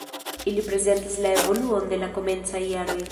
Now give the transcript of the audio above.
Ili prezentas la evoluon de la komencaj jaroj.